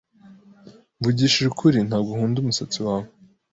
Mvugishije ukuri, ntabwo nkunda umusatsi wawe.